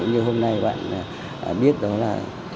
ví dụ như hôm nay bạn biết đó là